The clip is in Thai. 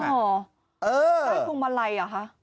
ใต้พวงมาลัยอ่ะฮะ